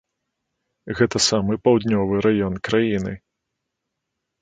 Гэта самы паўднёвы раён краіны.